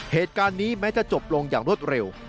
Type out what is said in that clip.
เหตุการณ์นี้แม้จะจบลงอย่างรวดเร็ว